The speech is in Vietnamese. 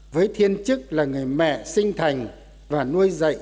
với thiên chức là người mẹ sinh thành và nuôi dạy